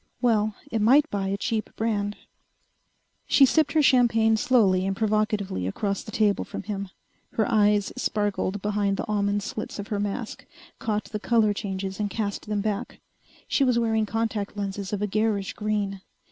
Well, it might buy a cheap brand.... She sipped her champagne slowly and provocatively across the table from him. Her eyes sparkled behind the almond slits of her mask, caught the color changes and cast them back. She was wearing contact lenses of a garish green.